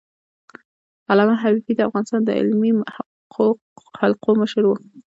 علامه حبيبي د افغانستان د علمي حلقو مشر و.